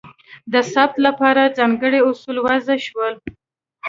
د ثبت لپاره ځانګړي اصول وضع شول.